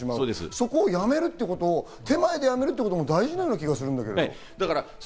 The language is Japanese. そこをやめること、手前でやめることが大事な気がするんだけど。